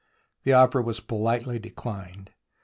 The offer was politely declined.